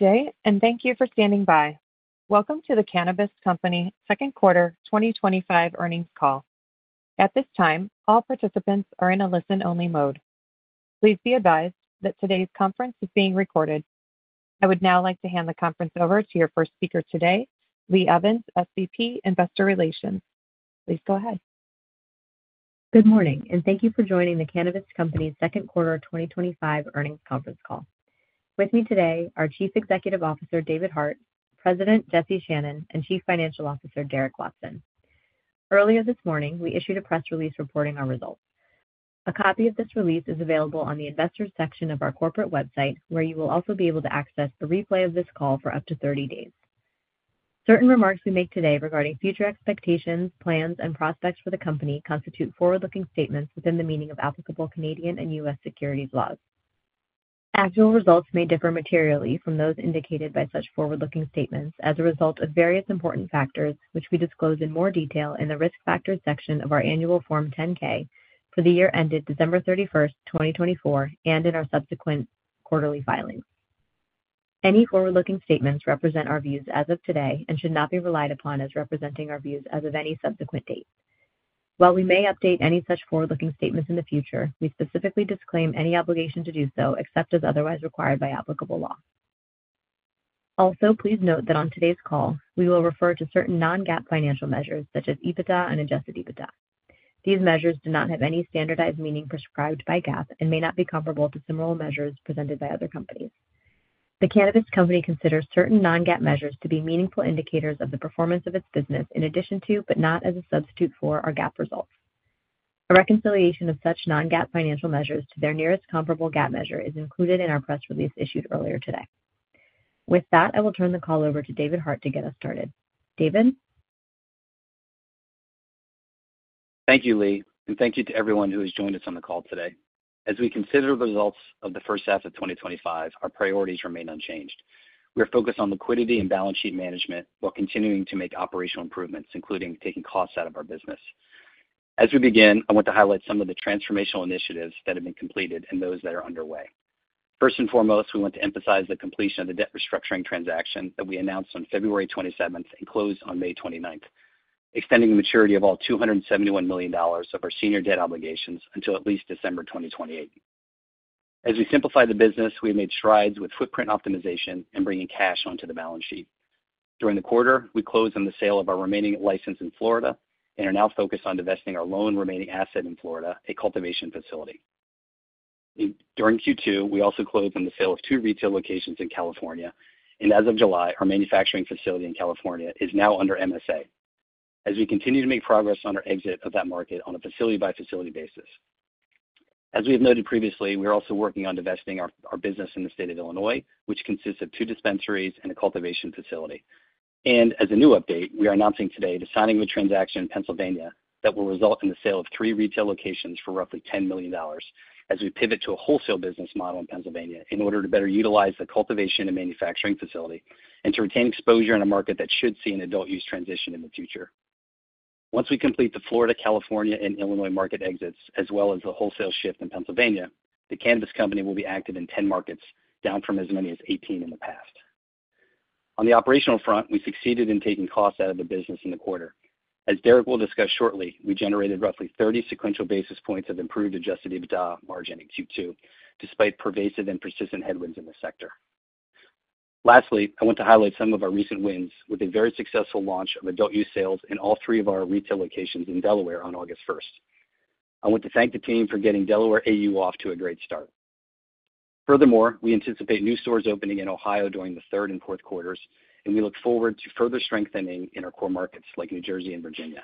Today, and thank you for standing by. Welcome to The Cannabist Company Second Quarter 2025 Earnings Call. At this time, all participants are in a listen-only mode. Please be advised that today's conference is being recorded. I would now like to hand the conference over to your first speaker today, Lee Evans, SVP, Investor Relations. Please go ahead. Good morning, and thank you for joining The Cannabist Company's Second Quarter 2025 Earnings Conference Call. With me today are Chief Executive Officer David Hart, President Jesse Channon, and Chief Financial Officer Derek Watson. Earlier this morning, we issued a press release reporting our results. A copy of this release is available on the Investors section of our corporate website, where you will also be able to access the replay of this call for up to 30 days. Certain remarks we make today regarding future expectations, plans, and prospects for the company constitute forward-looking statements within the meaning of applicable Canadian and U.S. securities laws. Actual results may differ materially from those indicated by such forward-looking statements as a result of various important factors, which we disclose in more detail in the Risk Factors section of our Annual Form 10-K for the year ended December 31st, 2024, and in our subsequent quarterly filings. Any forward-looking statements represent our views as of today and should not be relied upon as representing our views as of any subsequent date. While we may update any such forward-looking statements in the future, we specifically disclaim any obligation to do so except as otherwise required by applicable law. Also, please note that on today's call, we will refer to certain non-GAAP financial measures such as EBITDA and adjusted EBITDA. These measures do not have any standardized meaning prescribed by GAAP and may not be comparable to similar measures presented by other companies. The Cannabist Company considers certain non-GAAP measures to be meaningful indicators of the performance of its business in addition to, but not as a substitute for, our GAAP results. A reconciliation of such non-GAAP financial measures to their nearest comparable GAAP measure is included in our press release issued earlier today. With that, I will turn the call over to David Hart to get us started. David? Thank you, Lee, and thank you to everyone who has joined us on the call today. As we consider the results of the first half of 2025, our priorities remain unchanged. We are focused on liquidity and balance sheet management while continuing to make operational improvements, including taking costs out of our business. As we begin, I want to highlight some of the transformational initiatives that have been completed and those that are underway. First and foremost, we want to emphasize the completion of the debt restructuring transaction that we announced on February 27th and closed on May 29th, extending the maturity of all $271 million of our senior debt obligations until at least December 2028. As we simplify the business, we have made strides with footprint optimization and bringing cash onto the balance sheet. During the quarter, we closed on the sale of our remaining license in Florida and are now focused on divesting our lone remaining asset in Florida, a cultivation facility. During Q2, we also closed on the sale of two retail locations in California, and as of July, our manufacturing facility in California is now under MSA. As we continue to make progress on our exit of that market on a facility-by-facility basis. As we have noted previously, we are also working on divesting our business in the state of Illinois, which consists of two dispensaries and a cultivation facility. As a new update, we are announcing today the signing of a transaction in Pennsylvania that will result in the sale of three retail locations for roughly $10 million as we pivot to a wholesale business model in Pennsylvania in order to better utilize the cultivation and manufacturing facility and to retain exposure in a market that should see an adult-use transition in the future. Once we complete the Florida, California, and Illinois market exits, as well as the wholesale shift in Pennsylvania, The Cannabist Company will be active in 10 markets, down from as many as 18 in the past. On the operational front, we succeeded in taking costs out of the business in the quarter. As Derek will discuss shortly, we generated roughly 30 sequential basis points of improved adjusted EBITDA margin in Q2, despite pervasive and persistent headwinds in the sector. Lastly, I want to highlight some of our recent wins with a very successful launch of adult-use sales in all three of our retail locations in Delaware on August 1st. I want to thank the team for getting Delaware AU off to a great start. Furthermore, we anticipate new stores opening in Ohio during the third and fourth quarters, and we look forward to further strengthening in our core markets like New Jersey and Virginia.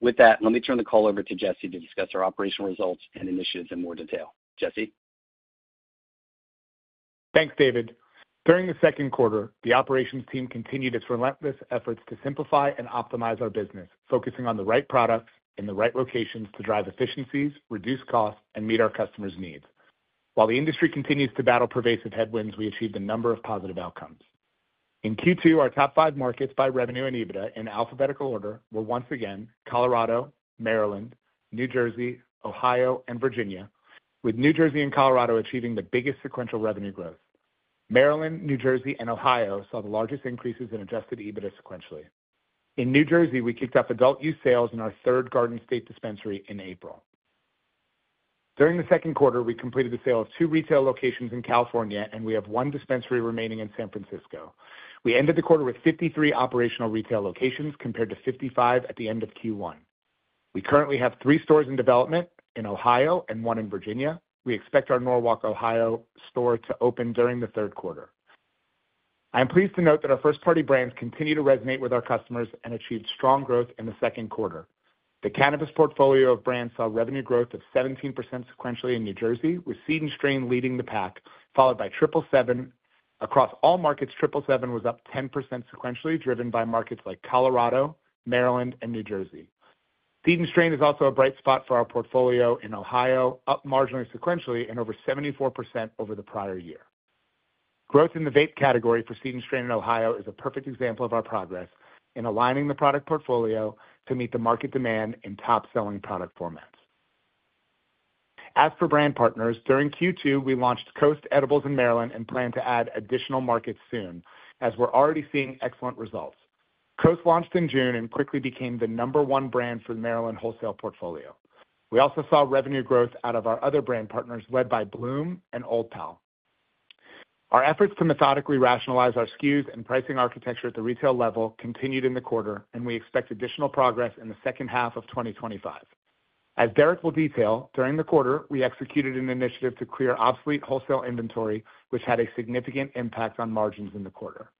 With that, let me turn the call over to Jesse to discuss our operational results and initiatives in more detail. Jesse? Thanks, David. During the second quarter, the operations team continued its relentless efforts to simplify and optimize our business, focusing on the right products in the right locations to drive efficiencies, reduce costs, and meet our customers' needs. While the industry continues to battle pervasive headwinds, we achieved a number of positive outcomes. In Q2, our top five markets by revenue and EBITDA in alphabetical order were once again Colorado, Maryland, New Jersey, Ohio, and Virginia, with New Jersey and Colorado achieving the biggest sequential revenue growth. Maryland, New Jersey, and Ohio saw the largest increases in adjusted EBITDA sequentially. In New Jersey, we kicked off adult-use sales in our third Garden State dispensary in April. During the second quarter, we completed the sale of two retail locations in California, and we have one dispensary remaining in San Francisco. We ended the quarter with 53 operational retail locations compared to 55 at the end of Q1. We currently have three stores in development in Ohio and one in Virginia. We expect our Norwalk, Ohio store to open during the third quarter. I am pleased to note that our first-party brands continue to resonate with our customers and achieved strong growth in the second quarter. The cannabis portfolio of brands saw revenue growth of 17% sequentially in New Jersey, with Seed & Strain leading the pack, followed by Triple Seven. Across all markets, Triple Seven was up 10% sequentially, driven by markets like Colorado, Maryland, and New Jersey. Seed & Strain is also a bright spot for our portfolio in Ohio, up marginally sequentially and over 74% over the prior year. Growth in the vape category for Seed & Strain in Ohio is a perfect example of our progress in aligning the product portfolio to meet the market demand in top-selling product formats. As for brand partners, during Q2, we launched COAST Edibles in Maryland and plan to add additional markets soon, as we're already seeing excellent results. COAST launched in June and quickly became the number one brand for the Maryland wholesale portfolio. We also saw revenue growth out of our other brand partners led by Bloom and Old Pal. Our efforts to methodically rationalize our SKUs and pricing architecture at the retail level continued in the quarter, and we expect additional progress in the second half of 2025. As Derek will detail, during the quarter, we executed an initiative to clear obsolete wholesale inventory, which had a significant impact on margins in the quarter.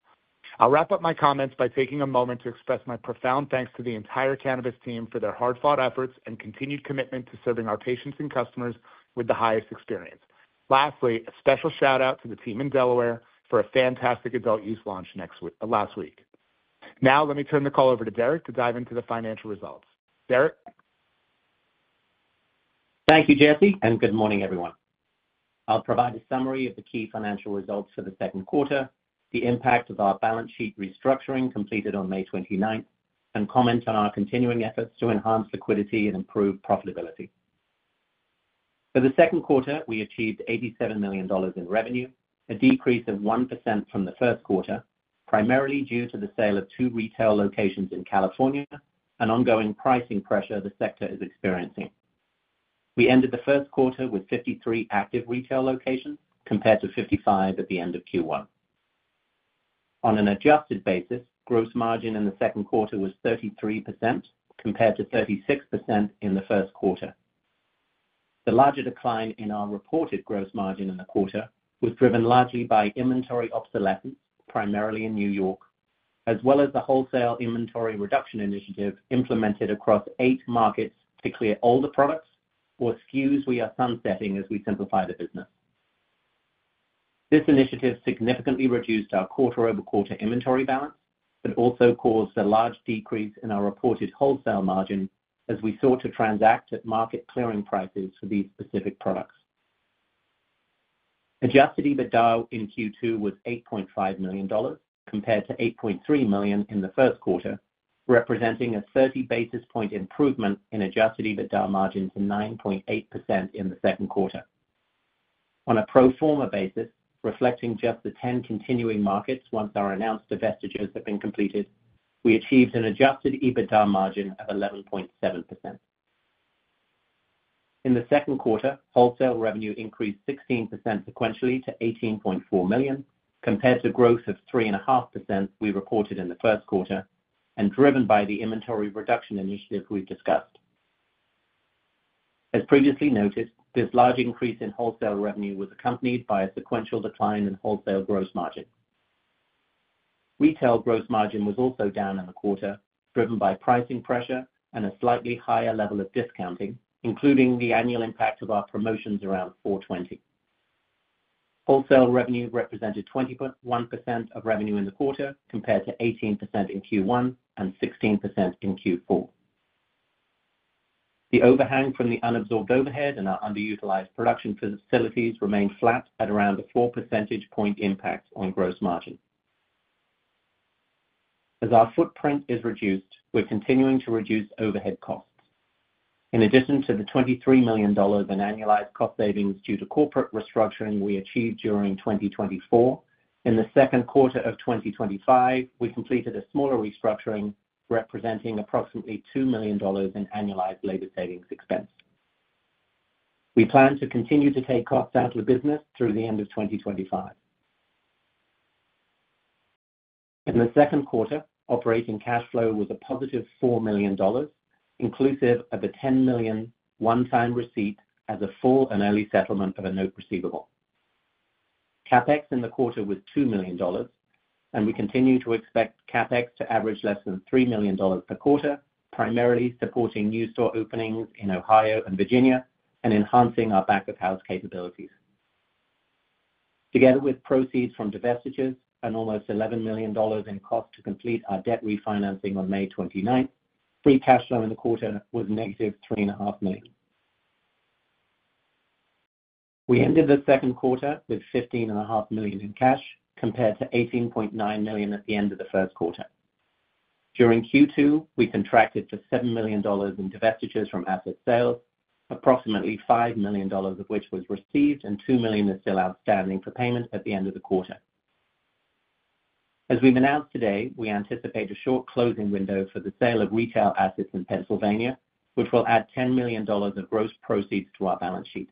I'll wrap up my comments by taking a moment to express my profound thanks to the entire Cannabist team for their hard-fought efforts and continued commitment to serving our patients and customers with the highest experience. Lastly, a special shout-out to the team in Delaware for a fantastic adult-use launch last week. Now, let me turn the call over to Derek to dive into the financial results. Derek? Thank you, Jesse, and good morning, everyone. I'll provide a summary of the key financial results for the second quarter, the impact of our balance sheet restructuring completed on May 29th, and comment on our continuing efforts to enhance liquidity and improve profitability. For the second quarter, we achieved $87 million in revenue, a decrease of 1% from the first quarter, primarily due to the sale of two retail locations in California and ongoing pricing pressure the sector is experiencing. We ended the first quarter with 53 active retail locations compared to 55 at the end of Q1. On an adjusted basis, gross margin in the second quarter was 33% compared to 36% in the first quarter. The larger decline in our reported gross margin in the quarter was driven largely by inventory obsolescence, primarily in New York, as well as the wholesale inventory reduction initiative implemented across eight markets to clear older products or SKUs we are sunsetting as we simplify the business. This initiative significantly reduced our quarter-over-quarter inventory balance, but also caused a large decrease in our reported wholesale margin as we sought to transact at market clearing prices for these specific products. Adjusted EBITDA in Q2 was $8.5 million compared to $8.3 million in the first quarter, representing a 30 basis point improvement in adjusted EBITDA margin to 9.8% in the second quarter. On a pro forma basis, reflecting just the 10 continuing markets once our announced divestitures have been completed, we achieved an adjusted EBITDA margin of 11.7%. In the second quarter, wholesale revenue increased 16% sequentially to $18.4 million compared to growth of 3.5% we recorded in the first quarter and driven by the inventory reduction initiative we've discussed. As previously noted, this large increase in wholesale revenue was accompanied by a sequential decline in wholesale gross margin. Retail gross margin was also down in the quarter, driven by pricing pressure and a slightly higher level of discounting, including the annual impact of our promotions around 420. Wholesale revenue represented 20.1% of revenue in the quarter compared to 18% in Q1 and 16% in Q4. The overhang from the unabsorbed overhead and our underutilized production facilities remained flat at around a 4 percentage point impact on gross margin. As our footprint is reduced, we're continuing to reduce overhead costs. In addition to the $23 million in annualized cost savings due to corporate restructuring we achieved during 2024, in the second quarter of 2025, we completed a smaller restructuring representing approximately $2 million in annualized labor savings expense. We plan to continue to take costs out of the business through the end of 2025. In the second quarter, operating cash flow was a +$4 million, inclusive of a $10 million one-time receipt as a full and early settlement of a note receivable. CapEx in the quarter was $2 million, and we continue to expect CapEx to average less than $3 million per quarter, primarily supporting new store openings in Ohio and Virginia and enhancing our back-of-house capabilities. Together with proceeds from divestitures and almost $11 million in cost to complete our debt refinancing on May 29th, free cash flow in the quarter was -$3.5 million. We ended the second quarter with $15.5 million in cash compared to $18.9 million at the end of the first quarter. During Q2, we contracted for $7 million in divestitures from asset sales, approximately $5 million of which was received and $2 million is still outstanding for payment at the end of the quarter. As we've announced today, we anticipate a short closing window for the sale of retail assets in Pennsylvania, which will add $10 million of gross proceeds to our balance sheet.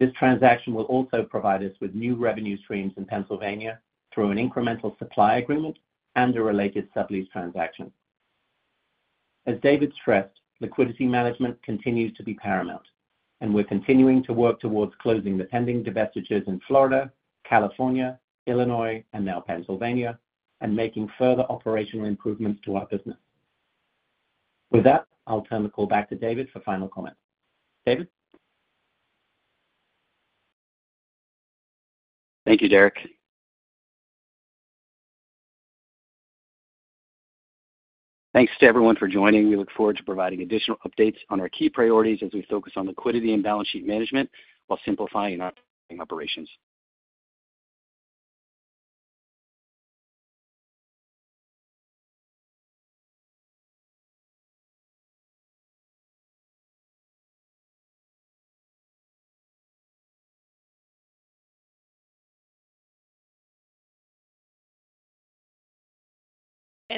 This transaction will also provide us with new revenue streams in Pennsylvania through an incremental supply agreement and a related sublease transaction. As David stressed, liquidity management continues to be paramount, and we're continuing to work towards closing the pending divestitures in Florida, California, Illinois, and now Pennsylvania, and making further operational improvements to our business. With that, I'll turn the call back to David for final comments. David? Thank you, Derek. Thanks to everyone for joining. We look forward to providing additional updates on our key priorities as we focus on liquidity and balance sheet management while simplifying our operations.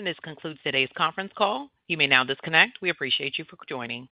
This concludes today's conference call. You may now disconnect. We appreciate you for joining.